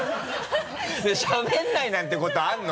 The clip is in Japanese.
しゃべらないなんてことあるの？